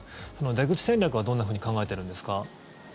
出口戦略はどんなふうに考えてるんですか。